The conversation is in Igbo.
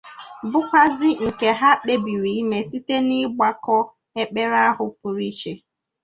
bụkwazị nke ha kpebiri ime site n'ọgbakọ ekpere ahụ pụrụ iche.